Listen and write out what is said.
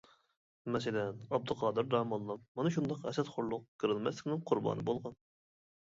مەسىلەن: ئابدۇقادىر داموللام مانا شۇنداق ھەسەتخورلۇق، كۆرەلمەسلىكنىڭ قۇربانى بولغان.